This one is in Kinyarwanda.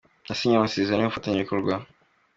yasinye amasezerano y’ubufatanyabikorwa.